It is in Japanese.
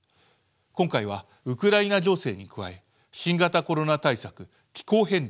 今回はウクライナ情勢に加え新型コロナ対策気候変動